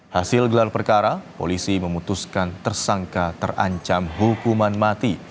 hasil gelar perkara polisi memutuskan tersangka terancam hukuman mati